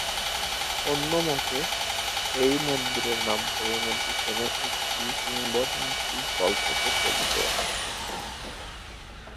অন্যমতে, এই মন্দিরের নামকরণের পিছনে একটি কিংবদন্তি গল্প প্রচলিত আছে।